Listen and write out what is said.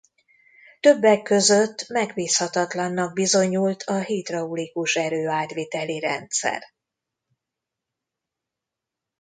Többek között megbízhatatlannak bizonyult a hidraulikus erőátviteli rendszer.